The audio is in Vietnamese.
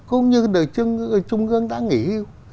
cũng như trung ương đã nghỉ yêu